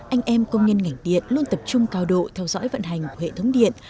anh em công nhân ngành điện luôn tập trung cao độ theo dõi vận hành của hệ thống điện